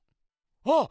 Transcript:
あっ！